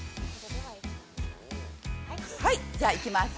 はい、じゃあ、行きます。